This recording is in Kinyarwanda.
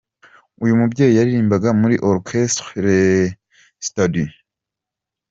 Uyu mubyeyi yaririmbaga muri Orchestre Les Citadins.